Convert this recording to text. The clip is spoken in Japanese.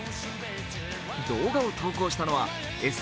動画を投稿したのは、ＳＮＳの